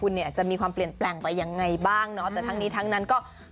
คุณเนี่ยจะมีความเปลี่ยนแปลงไปยังไงบ้างเนาะแต่ทั้งนี้ทั้งนั้นก็